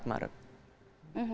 empat maret nah